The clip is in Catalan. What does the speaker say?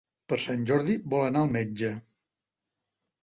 Per Sant Jordi vol anar al metge.